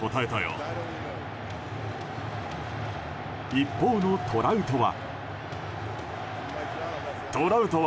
一方のトラウトは。